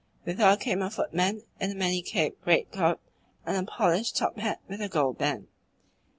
With her came a footman in a many caped greatcoat and a polished top hat with a gold band.